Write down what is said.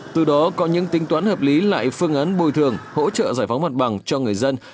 từ đó có những tính toán hợp lý lại phương án bồi thường hỗ trợ giải phóng mặt bằng cho người dân